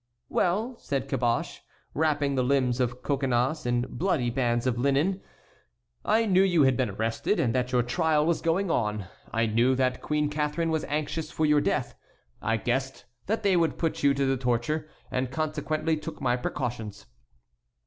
"Well," said Caboche, wrapping the limbs of Coconnas in bloody bands of linen; "I knew you had been arrested, and that your trial was going on. I knew that Queen Catharine was anxious for your death. I guessed that they would put you to the torture and consequently took my precautions."